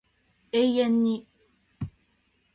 永遠に